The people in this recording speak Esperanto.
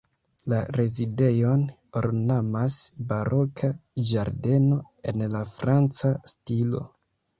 La rezidejon ornamas baroka ĝardeno en la franca stilo.